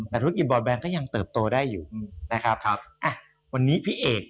แต่ธุรกิจบอลแบรนดก็ยังเติบโตได้อยู่นะครับครับอ่ะวันนี้พี่เอก